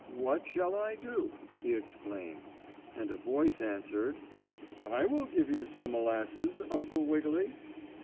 What shall I do?" he exclaimed. And a voice answered: "I will give you some molasses, Uncle Wiggily."